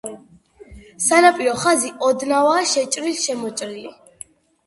სანაპირო ხაზი ოდნავაა შეჭრილ-შემოჭრილი.